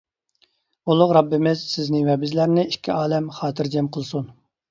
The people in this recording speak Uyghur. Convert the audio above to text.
ئۇلۇغ رەببىمىز سىزنى ۋە بىزلەرنى ئىككى ئالەم خاتىرجەم قىلسۇن.